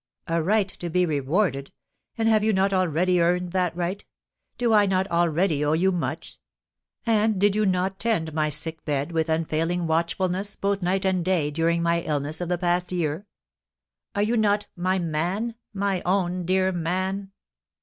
"A right to be rewarded? And have you not already earned that right? Do I not already owe you much? And did you not tend my sick bed with unfailing watchfulness, both night and day during my illness of the past year?" "Are you not 'my man, my own dear man?'"